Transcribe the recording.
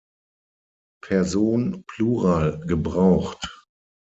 Person Plural" gebraucht.